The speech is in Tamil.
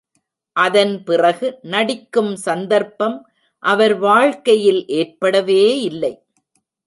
அதன்பிறகு நடிக்கும் சந்தர்ப்பம் அவர் வாழ்க்கையில் ஏற்படவே இல்லை.